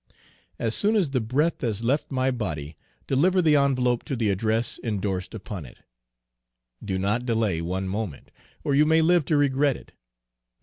As soon as the breath has left my body, deliver the envelope to the address indorsed upon it. Do not delay one moment, or you may live to regret it.